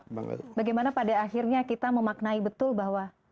bagaimana pada akhirnya kita memaknai betul bahwa